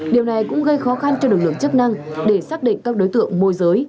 điều này cũng gây khó khăn cho lực lượng chức năng để xác định các đối tượng môi giới